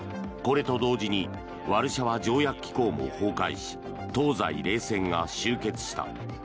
これと同時にワルシャワ条約機構も崩壊し東西冷戦が終結した。